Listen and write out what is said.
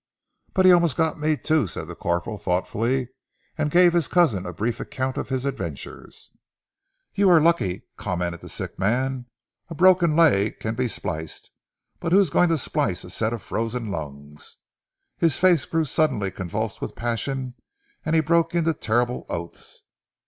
"But he almost got me too," said the corporal thoughtfully, and gave his cousin a brief account of his adventures. "You were lucky," commented the sick man. "A broken leg can be spliced, but who is going to splice a set of frozen lungs?" His face grew suddenly convulsed with passion, and he broke into terrible oaths.